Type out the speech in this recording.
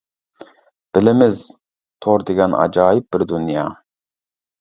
بىلىمىز: تور دېگەن ئاجايىپ بىر دۇنيا.